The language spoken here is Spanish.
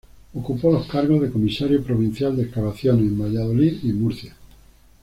Ocupó los cargos de Comisario Provincial de Excavaciones en Valladolid y en Murcia.